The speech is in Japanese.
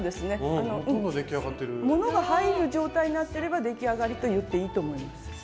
物が入る状態になってれば出来上がりと言っていいと思います。